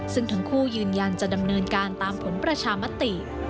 ซึ่งทั้งคู่ยืนยันจะดำเนินการตามผลประชามติ